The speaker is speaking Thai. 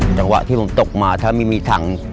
จังหวะที่ผมตกมาถ้าไม่มีถัง